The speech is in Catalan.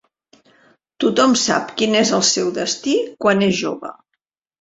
Tothom sap quin és el seu destí quan és jove.